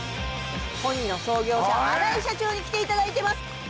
ポニーの創業者荒井社長に来ていただいています